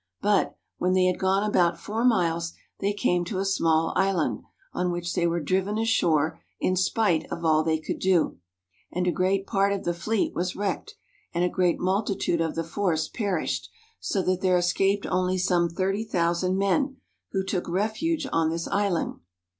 But, when they had gone about four miles, they came to a small island, on which they were driven ashore in spite of all they could do ; and a great part of the fleet was wrecked, and a great multitude of the force perished, so that there escaped only some 30,000 men, who took refuge on this island.